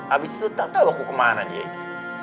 abis itu tak tahu aku kemana dia itu